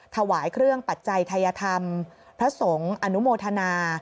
ถวายเครื่องปัจจัยทัยธรรมพระสงฆ์อนุโมทนา